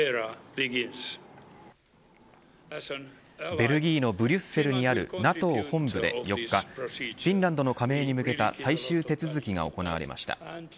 ベルギーのブリュッセルにあるＮＡＴＯ本部で、４日フィンランドの加盟に向けた最終手続きが行われました。